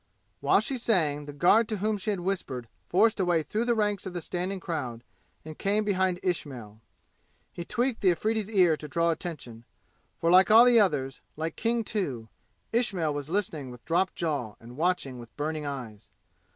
While she sang, the guard to whom she had whispered forced a way through the ranks of the standing crowd, and came behind Ismail. He tweaked the Afridi's ear to draw attention, for like all the others like King, too Ismail was listening with dropped jaw and watching with burning eyes.